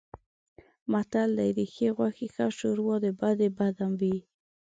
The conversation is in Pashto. متل دی: د ښې غوښې ښه شوروا د بدې بده وي.